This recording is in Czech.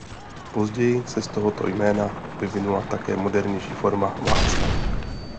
Později se z tohoto jména vyvinula také modernější forma Václav.